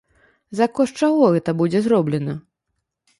За кошт чаго гэта будзе зроблена?